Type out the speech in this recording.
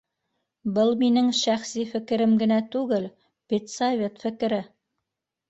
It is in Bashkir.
Был минең шәхси фекерем генә түгел, педсовет фекере!